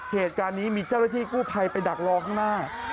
เหตุการณ์นี้มีเจ้าหน้าที่กู้ภัยไปดักรอข้างหน้า